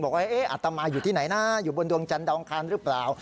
บอกว่าเอ๊ะอาจจะมาอยู่ที่ไหนน่ะอยู่บนดวงจันทร์ตาวอังคารหรือเปล่า